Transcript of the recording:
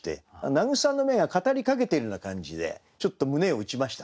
名草の芽が語りかけてるような感じでちょっと胸を打ちましたね。